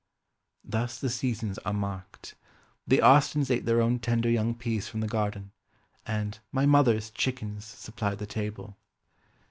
Thus the seasons are marked. The Austens ate their own tender young peas from the garden, and "my mother's" chickens supplied the table.